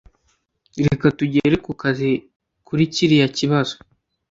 Reka tugere kukazi kuri kiriya kibazo